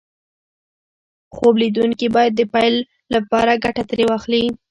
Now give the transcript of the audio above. خوب ليدونکي بايد د پيل لپاره ګټه ترې واخلي.